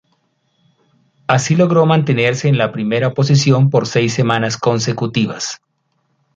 Así logró mantenerse en la primera posición por seis semanas consecutivas.